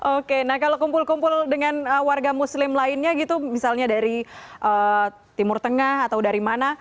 oke nah kalau kumpul kumpul dengan warga muslim lainnya gitu misalnya dari timur tengah atau dari mana